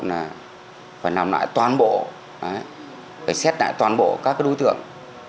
phải nằm lại toàn bộ phải xét lại toàn bộ các đối tượng